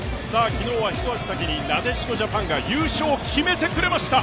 昨日は、ひと足先になでしこジャパンが優勝を決めてくれました。